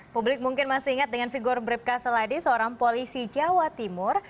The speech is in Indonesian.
publik mungkin masih ingat dengan figur bribka seladi seorang polisi jawa timur